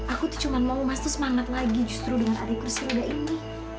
aku tuh cuma mau mas tuh semangat lagi justru dengan adik kursi roda ini